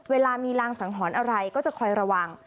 เวลามีรางสังหรณ์อะไรก็จะคอยระวัง